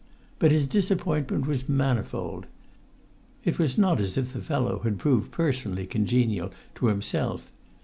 But his disappointment was manifold. It was not as if the fellow had proved personally congenial to himself.